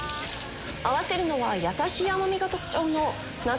合わせるのはやさしい甘みが特徴の夏